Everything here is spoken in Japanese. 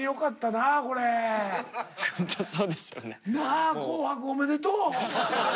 なあ「紅白」おめでとう。